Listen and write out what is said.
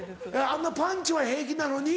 あんなパンチは平気なのに？